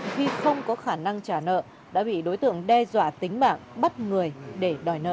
khi không có khả năng trả nợ đã bị đối tượng đe dọa tính mạng bắt người để đòi nợ